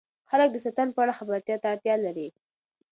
خلک د سرطان په اړه خبرتیا ته اړتیا لري.